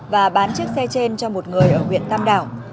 và bán chiếc xe trên cho một người ở huyện tam đảo